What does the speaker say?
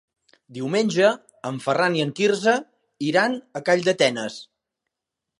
Diumenge en Ferran i en Quirze iran a Calldetenes.